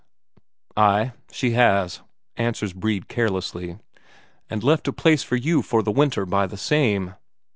"Ay, she has," answers Brede carelessly. "And left a place for you for the winter by the same."